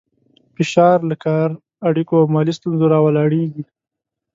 فشار له کار، اړیکو او مالي ستونزو راولاړېږي.